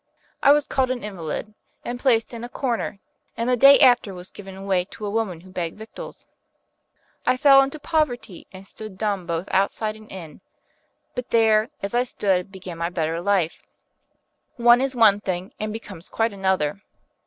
"I was called an invalid, and placed in a corner, and the day after was given away to a woman who begged victuals. I fell into poverty, and stood dumb both outside and in; but there, as I stood, began my better life. One is one thing and becomes quite another.